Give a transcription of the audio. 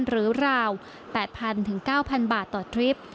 ราว๘๐๐๙๐๐บาทต่อทริป